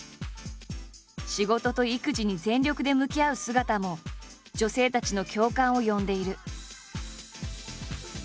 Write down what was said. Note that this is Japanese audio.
仕事と育児に全力で向き合う姿も女性たちの共感を呼んでいる。